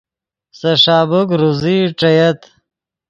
سے ݰابیک روزئی ݯییت